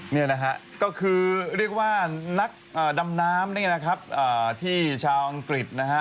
นี่นะฮะก็คือเรียกว่านักดำน้ำนี่นะครับที่ชาวอังกฤษนะฮะ